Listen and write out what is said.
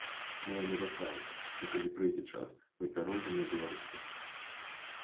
Мы вам абяцаем, што калі прыйдзе час, мы пяройдзем на беларускую.